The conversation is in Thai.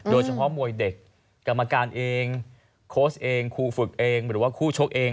โดยเฉพาะมวยเด็กกรรมการเองโค้ชเองครูฝึกเองหรือว่าคู่ชกเอง